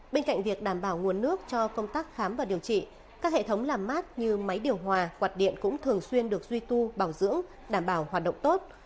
bên cạnh việc đảm bảo nguồn nước cho công tác khám và điều trị các hệ thống làm mát như máy điều hòa quạt điện cũng thường xuyên được duy tu bảo dưỡng đảm bảo hoạt động tốt